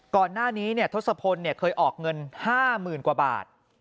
ก่อนหน้านี้เนี่ยทศพลเนี่ยเคยออกเงิน๕หมื่นกว่าบาท